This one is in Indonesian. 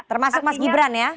termasuk mas gibran ya